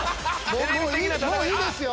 もういいですよ。